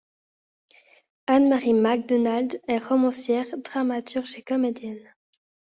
Ann-Marie MacDonald est romancière, dramaturge et comédienne.